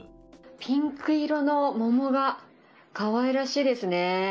ピンク色の桃がかわいらしいですね。